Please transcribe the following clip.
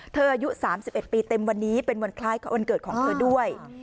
อายุ๓๑ปีเต็มวันนี้เป็นวันคล้ายวันเกิดของเธอด้วย